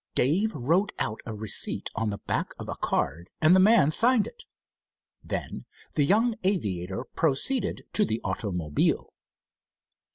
Dave wrote out a receipt on the back of a card and the man signed it. Then the young aviator proceeded to the automobile.